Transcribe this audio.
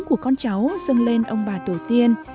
của con cháu dân lên ông bà tổ tiên